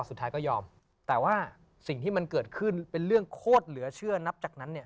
สุดท้ายก็ยอมแต่ว่าสิ่งที่มันเกิดขึ้นเป็นเรื่องโคตรเหลือเชื่อนับจากนั้นเนี่ย